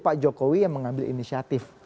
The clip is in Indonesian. pak jokowi yang mengambil inisiatif